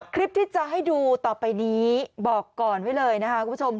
คลิปที่จะให้ดูต่อไปนี้บอกก่อนไว้เลยนะคะคุณผู้ชม